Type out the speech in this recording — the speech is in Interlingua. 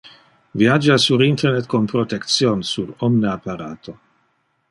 Viagia sur Internet con protection, sur omne apparato.